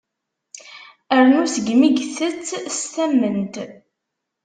Arnu seg mi itett s tamment.